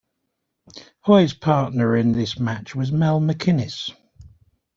Hoy's partner in this match was Mel McInnes.